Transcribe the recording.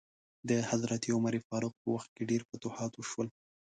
د حضرت عمر فاروق په وخت کې ډیر فتوحات وشول.